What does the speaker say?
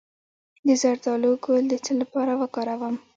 د زردالو ګل د څه لپاره وکاروم؟